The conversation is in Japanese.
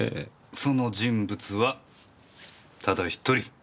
その人物はただ１人。